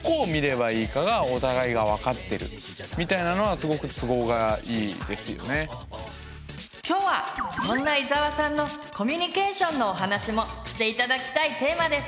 そして今日はそんな伊沢さんのコミュニケーションのお話もして頂きたいテーマです。